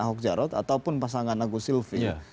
ahok jarot ataupun pasangan agus silvi